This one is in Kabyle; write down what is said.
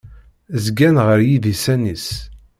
Zzgan ɣer yidisan-is.